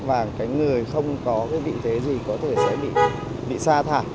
và cái người không có cái vị thế gì có thể sẽ bị xa thả